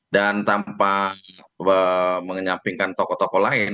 dan tanpa mengenyampingkan tokoh tokoh lain